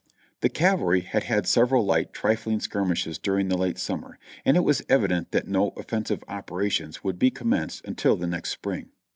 The cavalry had had several light, trifling skirmishes during the late summer, and it was evident that no offensive operations would be commenced until the next spring.